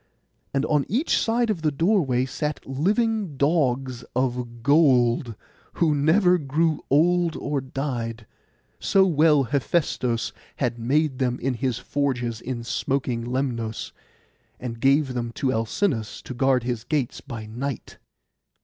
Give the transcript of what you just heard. And on each side of the doorway sat living dogs of gold, who never grew old or died, so well Hephaistos had made them in his forges in smoking Lemnos, and gave them to Alcinous to guard his gates by night.